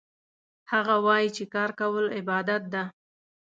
هغه وایي چې کار کول عبادت ده